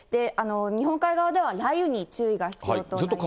日本海側では雷雨に注意が必要となります。